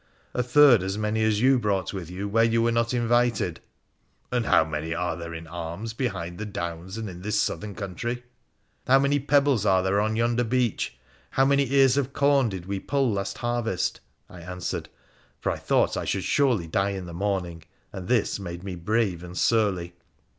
' A third as many as you brought with you where you were not invited.' 1 And how many are there in arms behind the downs and in this southern country ?' 'How many pebbles are there on yonder beach? How many ears of corn did we pull last harvest ?' I answered, for I thought I should die in the morning, and this made me brave and surly.